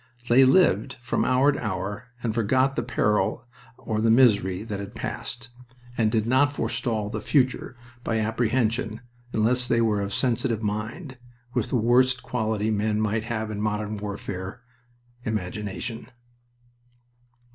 They lived from hour to hour and forgot the peril or the misery that had passed, and did not forestall the future by apprehension unless they were of sensitive mind, with the worst quality men might have in modern warfare imagination.